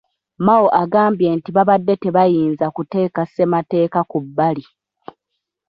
Mao agambye nti babadde tebayinza kuteeka ssemateeka ku bbali.